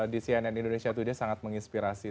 di cnn indonesia today sangat menginspirasi